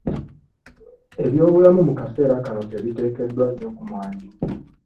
Ebyobulamu mu kaseera kano tebiteekeddwa nnyo ku mwanjo.